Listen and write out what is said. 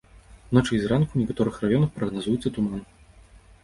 Уначы і зранку ў некаторых раёнах прагназуецца туман.